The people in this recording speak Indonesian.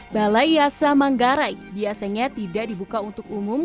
balai yasa manggarai biasanya tidak dibuka untuk umum